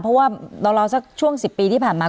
เพราะว่าราวสักช่วง๑๐ปีที่ผ่านมา